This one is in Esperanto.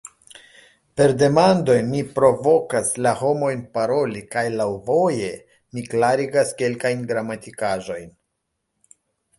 Per demandoj mi "provokas" la homojn paroli, kaj "laŭvoje" mi klarigas kelkajn gramatikaĵojn.